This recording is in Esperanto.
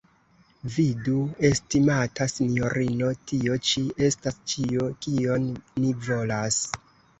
Vidu, estimata sinjorino, tio ĉi estas ĉio, kion ni volas!